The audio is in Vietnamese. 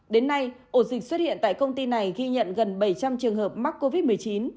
đến nay ổ dịch xuất hiện tại công ty này ghi nhận gần bảy trăm linh trường hợp mắc covid một mươi chín